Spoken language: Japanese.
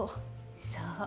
そう。